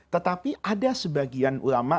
tetapi ada sebagian ulama